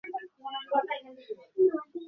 এ থেকে মনে পড়ল একটা কথা।